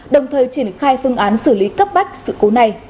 đồng thời triển khai phương án xử lý cấp bách sự cố này